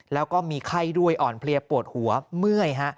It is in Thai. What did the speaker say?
แล้วก็มีไข้ด้วยอ่อนเพลียปวดหัวเมื่อยฮะ